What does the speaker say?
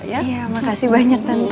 iya makasih banyak tante